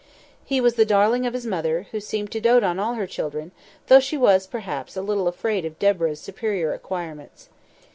He was the darling of his mother, who seemed to dote on all her children, though she was, perhaps, a little afraid of Deborah's superior acquirements.